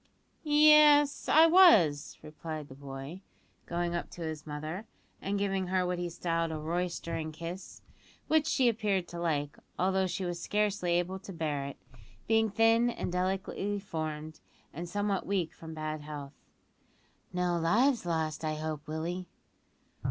"Yes, I was," replied the boy, going up to his mother, and giving her what he styled a "roystering" kiss, which she appeared to like, although she was scarcely able to bear it, being thin and delicately formed, and somewhat weak from bad health. "No lives lost, I hope, Willie?"